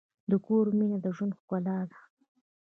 د کور مینه د ژوند ښکلا ده.